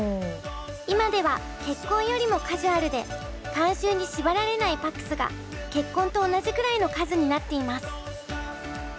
今では結婚よりもカジュアルで慣習に縛られないＰＡＣＳが結婚と同じくらいの数になっています。